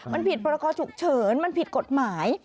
มันผิดพรกรฉุกเฉินมันผิดกฎหมาย